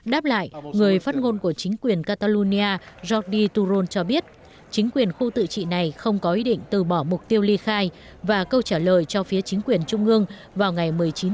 đáp lại người phát ngôn của chính quyền catalonia giordi turon cho biết chính quyền khu tự trị này không có ý định từ bỏ mục tiêu ly khai và câu trả lời cho phía chính quyền trung ương vào ngày một mươi chín tháng năm